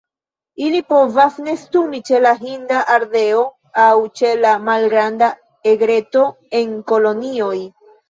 Ili povas nestumi ĉe la Hinda ardeo aŭ ĉe la Malgranda egreto en kolonioj.